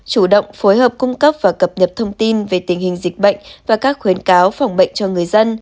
chủ động phối hợp cung cấp và cập nhật thông tin về tình hình dịch bệnh và các khuyến cáo phòng bệnh cho người dân